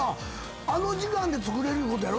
あの時間で作れるいうことやろ⁉